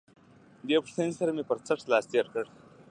دې پوښتنې سره مې پر څټ لاس تېر کړ.